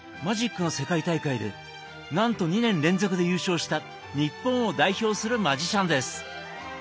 マジックの世界大会でなんと２年連続で優勝した日本を代表するマジシャンです。